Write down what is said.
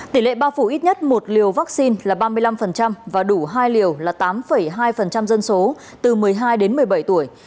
tỷ lệ bao phủ ít nhất một liều vaccine là ba mươi năm và đủ hai liều là tám hai dân số từ một mươi hai đến một mươi bảy tuổi